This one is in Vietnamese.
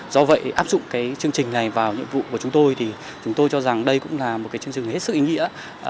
do vậy áp dụng cái chương trình này vào nhiệm vụ của chúng tôi thì chúng tôi cho rằng đây cũng là một chương trình hết sức ý nghĩa